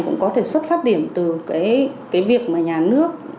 cũng có thể xuất phát điểm từ việc nhà nước